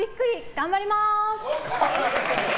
頑張ります！